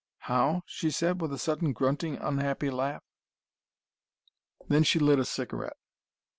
"How ?" she said, with a sudden grunting, unhappy laugh. Then she lit a cigarette.